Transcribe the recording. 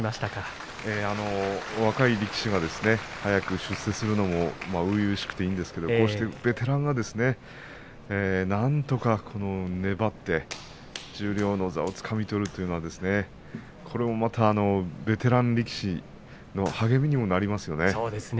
若い力士が出世するのも初々しくていいですけどベテランが出世するのもなんとか粘って十両の座をつかみ取るというのはこれもまたベテラン力士の励みにもなりますね。